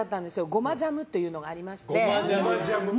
ゴマジャムというのがありまして。